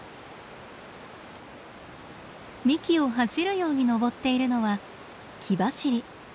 幹を走るように登っているのはキバシリ。